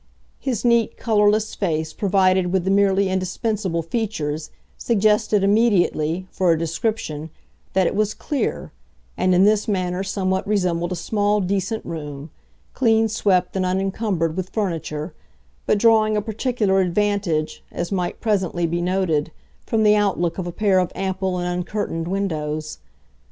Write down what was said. His neat, colourless face, provided with the merely indispensable features, suggested immediately, for a description, that it was CLEAR, and in this manner somewhat resembled a small decent room, clean swept and unencumbered with furniture, but drawing a particular advantage, as might presently be noted, from the outlook of a pair of ample and uncurtained windows.